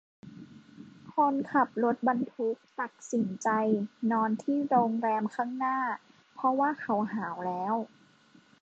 คนขับรถบรรทุกตักสินใจนอนที่โรงแรมข้างหน้าเพราะว่าเขาหาวแล้ว